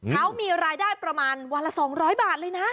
เขามีรายได้ประมาณวันละ๒๐๐บาทเลยนะ